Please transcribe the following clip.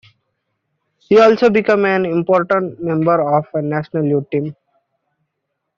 He also became an important member of the national youth team.